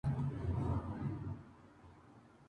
Partió en una expedición hacia el Quersoneso tracio.